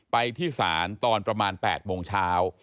ไปที่ศาลตอนประมาณ๘โมงเช้า